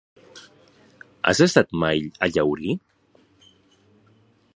Has estat mai a Llaurí?